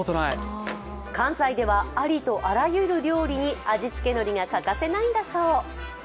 関西ではありとあらゆる料理に味付けのりが欠かせないんだそう。